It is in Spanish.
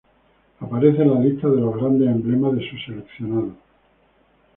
Aparece en la lista de los grandes emblemas de su seleccionado.